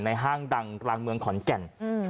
ห้างดังกลางเมืองขอนแก่น